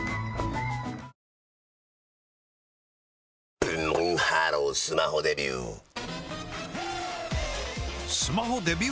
ブンブンハロースマホデビュー！